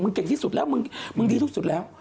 มึงเก่งที่สุดแล้วมึงดีที่สุดแล้ว